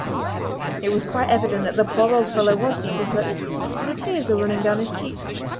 It was quite evident that the poor old fellow was deeply touched, for the tears were running down his cheeks.